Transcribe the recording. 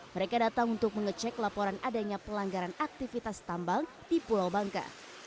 mereka datang untuk mengecek laporan adanya pelanggaran aktivitas tambang di pulau bangka